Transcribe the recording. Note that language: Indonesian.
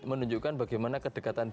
menunjukkan bagaimana kedekatan di antara